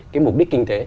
cái mục đích kinh tế